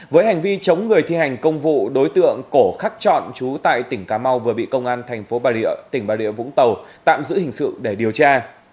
với hành vi chống người thi hành công vụ đối tượng cổ khắc trọn chú tại tỉnh cà mau vừa bị công an thành phố bà rịa tỉnh bà địa vũng tàu tạm giữ hình sự để điều tra